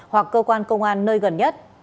hoặc cơ quan công an nơi gần nhất